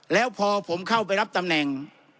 แล้วพอผมเข้าไปรับตำแหน่ง